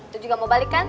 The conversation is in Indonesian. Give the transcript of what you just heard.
lo juga mau balik kan